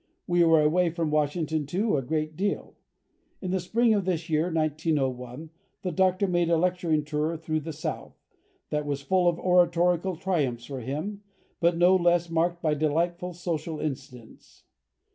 We were away from Washington, too, a great deal. In the spring of this year, 1901, the Doctor made a lecturing tour through the South, that was full of oratorical triumphs for him, but no less marked by delightful social incidents.